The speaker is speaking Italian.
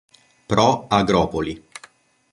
Pro Agropoli.